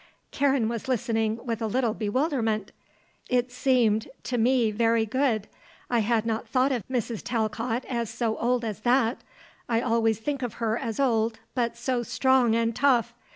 Karen was listening, with a little bewilderment. "It seemed, to me very good. I had not thought of Mrs. Talcott as so old as that. I always think of her as old, but so strong and tough.